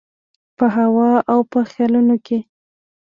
په هوا او په خیالونو کي